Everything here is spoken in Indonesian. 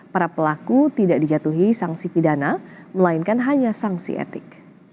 para pelaku tidak dijatuhi sanksi pidana melainkan hanya sanksi etik